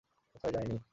কোথায় যায় নি?